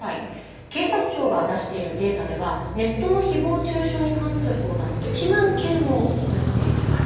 警察庁が出しているデータではネットのひぼう中傷に関する相談１万件を超えています。